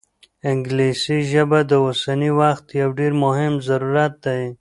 انګلیسي ژبه د اوسني وخت یو ډېر مهم ضرورت دی.